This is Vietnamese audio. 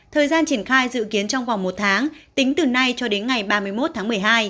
thời gian triển khai dự kiến trong vòng một tháng tính từ nay cho đến ngày ba mươi một tháng một mươi hai